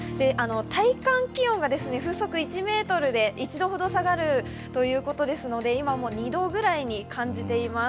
体感気温が風速１ｍで１度ほど下がるということですので、今２度ぐらいに感じています。